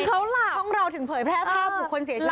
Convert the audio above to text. คือเขาหลับช่องเราถึงเผยแพร่ภาพหรือคนเสียชีวิต